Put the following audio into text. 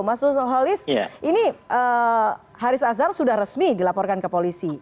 mas nuzulhalis ini haris azhar sudah resmi dilaporkan ke polisi